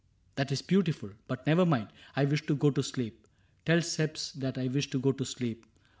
That is beautiful. But never mind, I wish to go to sleep : Tell Cebes that I wish to go to sleep.